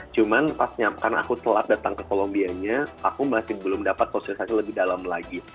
cuman pasnya karena aku telah datang ke kolombianya aku masih belum dapat sosialisasi lebih dalam lagi